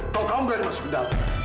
kalau kamu berani masuk ke dalam